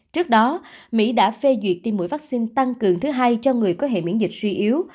trước đó mỹ đã phê duyệt tiêm mũi vaccine tăng cường thứ hai cho người có hệ miễn dịch suy yếu